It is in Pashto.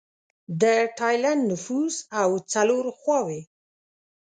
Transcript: د ټایلنډ نفوس او څلور خواووې